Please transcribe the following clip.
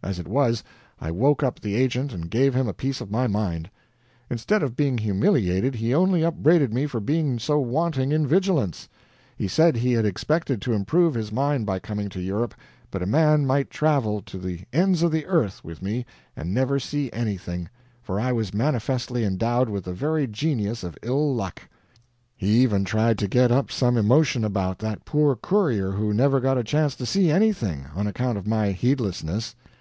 As it was, I woke up the agent and gave him a piece of my mind. Instead of being humiliated, he only upbraided me for being so wanting in vigilance. He said he had expected to improve his mind by coming to Europe, but a man might travel to the ends of the earth with me and never see anything, for I was manifestly endowed with the very genius of ill luck. He even tried to get up some emotion about that poor courier, who never got a chance to see anything, on account of my heedlessness.